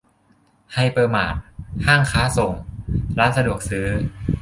- ไฮเปอร์มาร์ต ห้างค้าส่ง ร้านสะดวกซื้อ